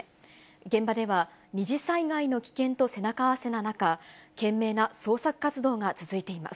現場では、二次災害の危険と背中合わせの中、懸命な捜索活動が続いています。